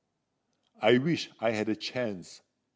I wish I had a chance!